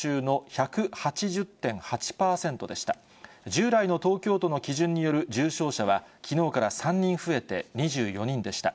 従来の東京都の基準による重症者は、きのうから３人増えて、２４人でした。